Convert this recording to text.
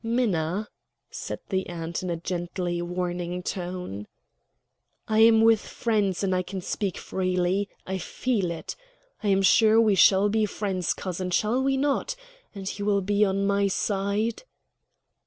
"Minna!" said the aunt in a gently warning tone. "I am with friends, and I can speak freely. I feel it. I am sure we shall be friends, cousin. Shall we not? And you will be on my side?"